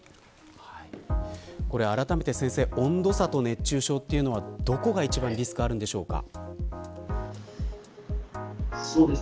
あらためて先生、温度差と熱中症というのは、どこが一番リスクがあるんでしょうか。